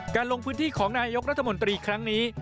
ลงพื้นที่ของนายกรัฐมนตรีครั้งนี้